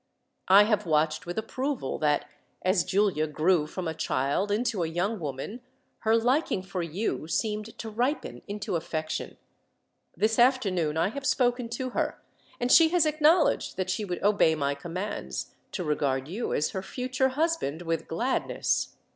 I have watched with approval that, as Giulia grew from a child into a young woman, her liking for you seemed to ripen into affection. This afternoon I have spoken to her, and she has acknowledged that she would obey my commands, to regard you as her future husband, with gladness.